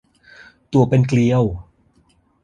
ตัวเป็นเกลียว